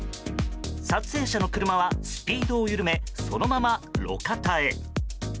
撮影者の車はスピードを緩めそのまま路肩へ。